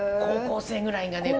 高校生ぐらいが。